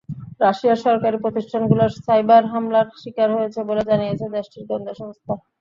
রাশিয়ার সরকারি প্রতিষ্ঠানগুলো সাইবার হামলার শিকার হয়েছে বলে জানিয়েছে দেশটির গোয়েন্দা সংস্থা।